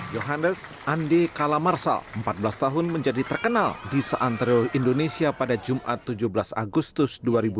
yohanes andi kalamarsal empat belas tahun menjadi terkenal di seanterio indonesia pada jumat tujuh belas agustus dua ribu dua puluh